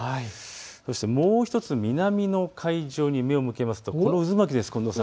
そして、もう１つ南の海上に目を向けますとこの渦巻きです。